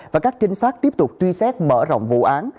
và các trinh sát tiếp tục truy xét mở rộng vụ án